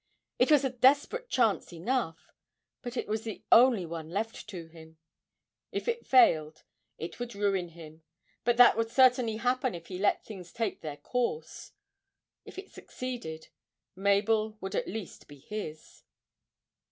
It was a desperate chance enough, but it was the only one left to him; if it failed, it would ruin him, but that would certainly happen if he let things take their course; if it succeeded, Mabel would at least be his.